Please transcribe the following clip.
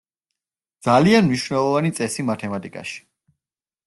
ძალიან მნიშვნელოვანი წესი მათემატიკაში.